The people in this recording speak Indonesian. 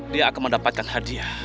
dia akan mendapatkan hadiah